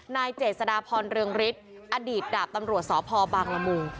นายเจษฎาพรเรืองฤทธิ์อดีตดาบตำรวจสพบางละมุง